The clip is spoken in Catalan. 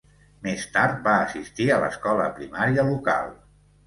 Més tard va assistir a l'escola primària local.